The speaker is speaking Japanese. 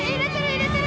入れてる！